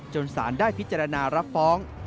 สารได้พิจารณารับฟ้อง